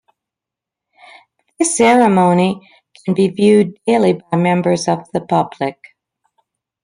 This ceremony can be viewed daily by members of the public.